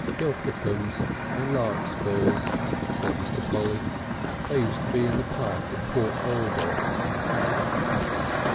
"Delphicums and larkspurs," said Mr. Polly. "They used to be in the park at Port Burdock.